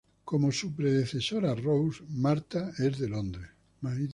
Como su predecesora Rose, Martha es de Londres.